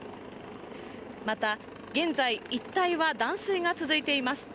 また、現在、一帯は断水が続いています。